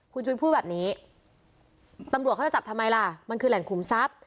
คุณชุวิตพูดแบบนี้ตำรวจเขาจะจับทำไมล่ะมันคือแหล่งขุมทรัพย์